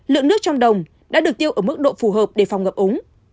lượng nước trong đồng đã được tiêu ở mức độ phù hợp để phòng ngập úng